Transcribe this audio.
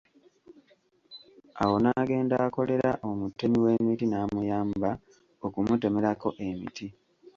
Awo n'agenda akolera omutemi w'emiti n'amuyamba okumutemerako emiti.